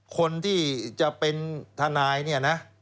คนที่จะเป็นทนายเนี่ยนะ